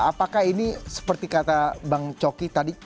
apakah ini seperti kata bang coki tadi